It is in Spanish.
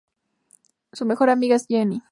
Su mejor amiga es Jenny.